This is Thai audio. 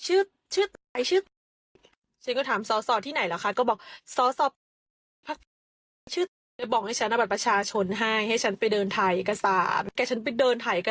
อื้มชื่อไหนชื่อ